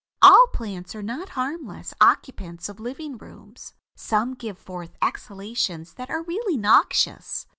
All plants are not harmless occupants of livingrooms. Some give forth exhalations that are really noxious.